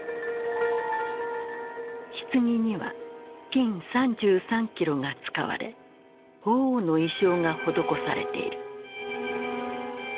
ひつぎには金３３キロが使われ鳳凰の意匠が施されている。